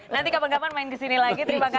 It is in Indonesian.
nanti kapan kapan main kesini lagi terima kasih